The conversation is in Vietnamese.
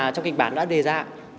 trong kịch bản đã đề ra